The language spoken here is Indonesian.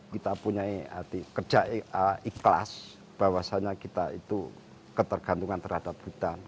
kita punya hati kerja ikhlas bahwasannya kita itu ketergantungan terhadap hutan